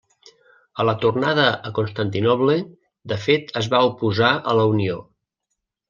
A la tornada a Constantinoble de fet es va oposar a la unió.